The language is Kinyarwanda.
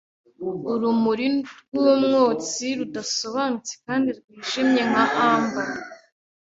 urumuri rwumwotsi, rudasobanutse kandi rwijimye nka umber.